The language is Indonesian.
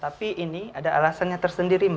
tapi ini ada alasannya tersendiri mbak